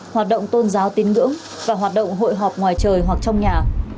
hoạt động tôn giáo tín ngưỡng và hoạt động hội họp ngoài trời hoặc trong nhà